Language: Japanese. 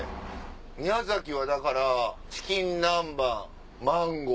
宮崎はだからチキン南蛮マンゴー。